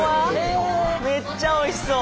めっちゃおいしそう！